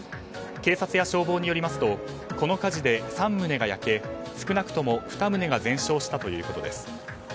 警察や消防によりますとこの火事で３棟が焼け少なくとも２棟が全焼したということです。